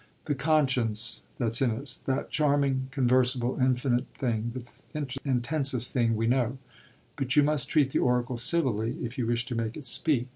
"The conscience that's in us that charming, conversible, infinite thing, the intensest thing we know. But you must treat the oracle civilly if you wish to make it speak.